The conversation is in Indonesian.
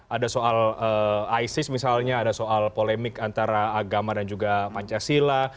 ada soal isis misalnya ada soal polemik antara agama dan juga pancasila